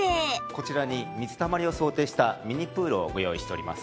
こちらに水たまりを想定したミニプールをご用意しております。